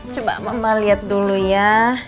coba mama lihat dulu ya